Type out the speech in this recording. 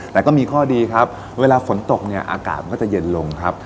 แต่ก็มีข้อดีครับเวลาฝนตกเนี่ยอากาศมันก็จะเย็นลงครับ